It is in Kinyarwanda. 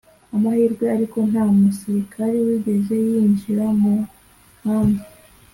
amahirwe ariko nta musirikari wigeze yinjira mu nkambi